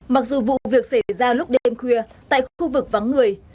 mặc dù vụ việc xảy ra lúc đêm khuya tại khu vực vắng người